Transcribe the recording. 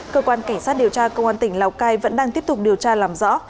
cơ quan cảnh sát điều tra công an tỉnh lào cai vẫn đang tiếp tục điều tra làm rõ